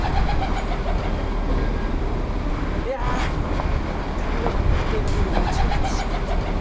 いや旅の計画に夢中になってしもうて。